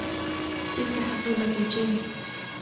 تلك حقيبة جين.